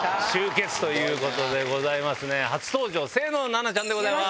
初登場清野菜名ちゃんでございます。